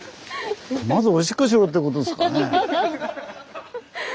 まずおしっこしよう！ってことですかね。